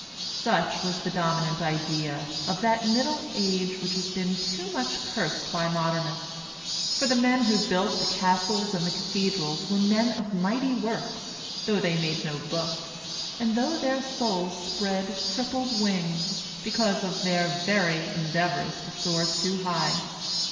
Such was the dominant idea of that middle age which has been too much cursed by modernists. For the men who built the castles and the cathedrals were men of mighty works, though they made no books, and though their souls spread crippled wings, because of their very endeavors to soar too high.